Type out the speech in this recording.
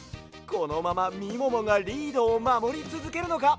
このままみももがリードをまもりつづけるのか？